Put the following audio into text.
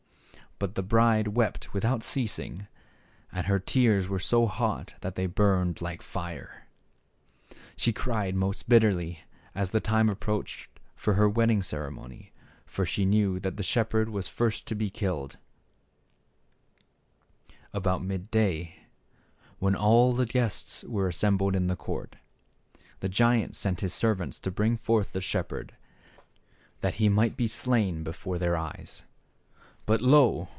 But the bride wept without ceasing, and her tears were so hot that they burned 'like fire. She cried most bitterly as the time approached for the wedding cere mony, for she knew that the shepherd was first to be killed. 76 THE SHEPHEBD BOY. About mid day, when all the guests were as sembled in the court, the giant sent his servants to bring forth the shepherd, that he might be slain before their eyes. But, lo